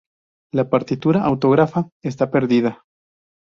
La partitura autógrafa está perdida.